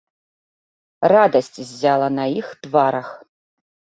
Радасць ззяла на іх тварах.